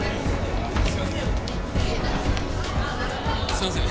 すいません